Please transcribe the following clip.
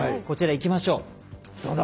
こちら、いきましょう。